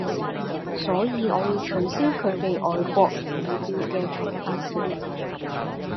所以我要取消佢哋外國護照嘅重發權